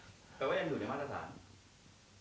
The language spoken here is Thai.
แต่ว่าอย่างหนูได้มาตรฐาน